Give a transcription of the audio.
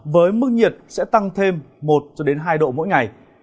với mức nhiệt sẽ tăng thêm một hai độ mỗi ngày